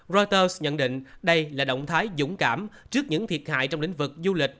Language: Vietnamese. reuters nhận định đây là động thái dũng cảm trước những thiệt hại trong lĩnh vực du lịch